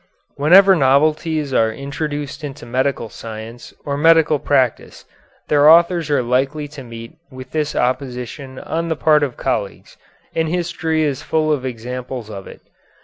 Whenever novelties are introduced into medical science or medical practice, their authors are likely to meet with this opposition on the part of colleagues, and history is full of examples of it.